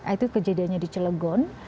itu kejadiannya di celegon